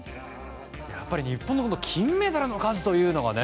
日本の金メダルの数というのがね